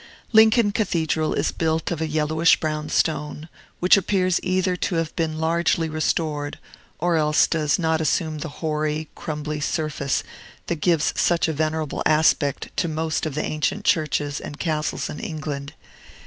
Lincoln Cathedral is built of a yellowish brown stone, which appears either to have been largely restored, or else does not assume the hoary, crumbly surface that gives such a venerable aspect to most of the ancient churches and castles in England.